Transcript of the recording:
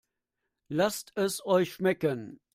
Lasst es euch schmecken!